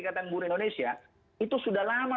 katanggur indonesia itu sudah lama